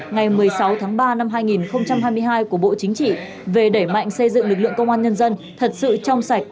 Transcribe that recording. ngày một mươi sáu tháng ba năm hai nghìn hai mươi hai của bộ chính trị về đẩy mạnh xây dựng lực lượng công an nhân dân thật sự trong sạch